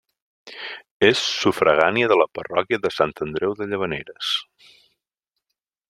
És sufragània de la parròquia de Sant Andreu de Llavaneres.